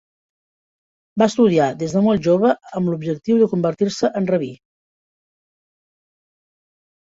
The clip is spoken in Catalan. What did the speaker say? Va estudiar des de molt jove amb l'objectiu de convertir-se en rabí.